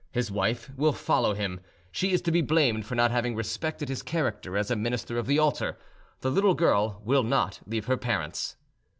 His wife will follow him: she is to be blamed for not having respected his character as a minister of the altar. The little girl will not leave her parents.